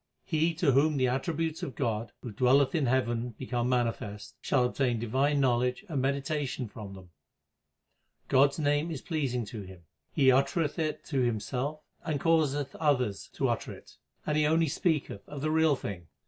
He to whom the attributes of God, who dwelleth in heaven, become manifest, shall obtain divine knowledge and medita tion from them. God s name is pleasing to him ; he uttereth it himself and causeth others to utter it ; and he only speaketh of the Real Thing.